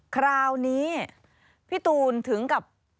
คราวนี้พี่ตูนถึงกับ